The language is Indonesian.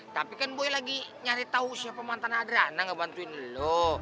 tapi kan boy lagi nyari tau siapa mantan adriana gak bantuin lo